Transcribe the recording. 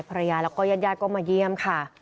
ภรรยาแล้วก็ญาติก็มาเยี่ยมค่ะ